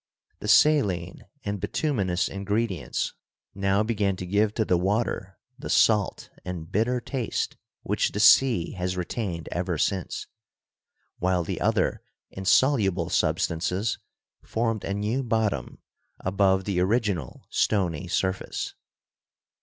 The saline and bituminous ingredients now began to give to the water the salt and bitter taste which the sea has retained ever since, while the other insoluble substances formed a new bottom above the original stony surface.